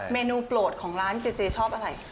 เมนูโปรดของร้านเจเจชอบอะไร